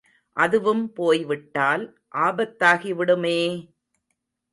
அதுவும் போய்விட்டால் ஆபத்தாகிவிடுமே!